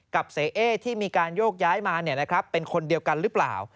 กับเสเอ๊ที่มีการโยกย้ายมาเป็นคนเดียวกันหรือเปล่า